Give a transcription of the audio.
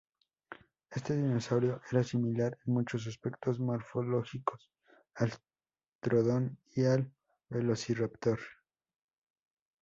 Este dinosaurio era similar, en muchos aspectos morfológicos, al "Troodon" y al "Velociraptor".